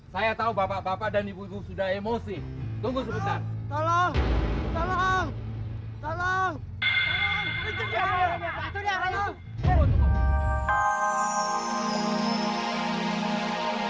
saya tahu bapak bapak dan ibu sudah emosi tunggu sebentar